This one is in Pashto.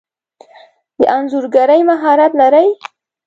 د انځورګری مهارت لرئ؟